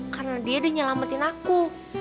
karena dia yang nyelamatin aku